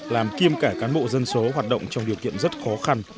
làm kiêm cả cán bộ dân số hoạt động trong điều kiện rất khó khăn